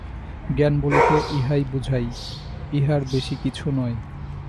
জ্ঞান বলিতে ইহাই বুঝায়, ইহার বেশী কিছু নয়।